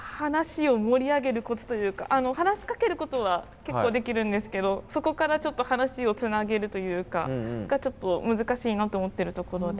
話しかけることは結構できるんですけどそこからちょっと話をつなげるというかがちょっと難しいなと思ってるところで。